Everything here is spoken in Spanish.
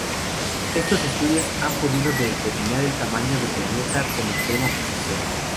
Estos estudios han podido determinar el tamaño del planeta con "extrema precisión".